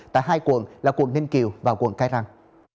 tại hai quận là quận ninh kiều và quận cái răng